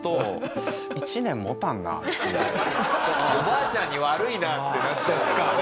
おばあちゃんに悪いなってなっちゃうもんね。